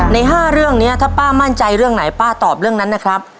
ใน๕เรื่องนี้ถ้าป้ามั่นใจเรื่องไหนป้าตอบเรื่องนั้นนะครับ